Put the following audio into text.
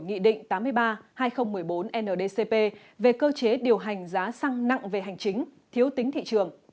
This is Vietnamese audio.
nghị định tám mươi ba hai nghìn một mươi bốn ndcp về cơ chế điều hành giá xăng nặng về hành chính thiếu tính thị trường